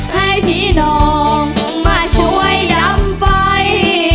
ให้พี่น้องมาช่วยลำไฟ